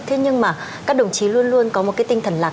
thế nhưng mà các đồng chí luôn luôn có một cái tinh thần lạc